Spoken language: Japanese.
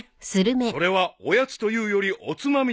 ［それはおやつというよりおつまみである］